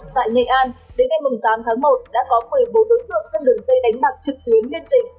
tại nghệ an đến ngày tám tháng một đã có một mươi bốn đối tượng trong đường dây đánh bạc trực tuyến liên trình